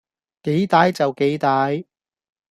幾歹就幾歹